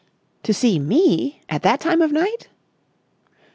"To see me! At that time of night?"